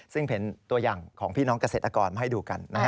ซึ่งเป็นตัวอย่างของพี่น้องเกษตรกรมาให้ดูกัน